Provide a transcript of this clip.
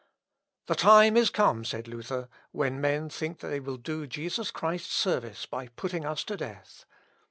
"The time is come," said Luther, "when men think they will do Jesus Christ service by putting us to death."